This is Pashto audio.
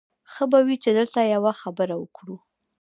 ښه به وي چې دلته یوه خبره وکړو